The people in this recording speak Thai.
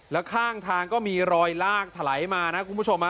แล้วข้างทางก็มีรอยลากถลายมานะคุณผู้ชม